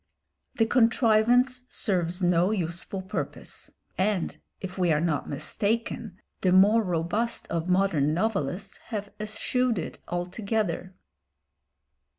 The contrivance serves no useful purpose, and, if we are not mistaken, the more robust of modern novelists have eschewed it altogether.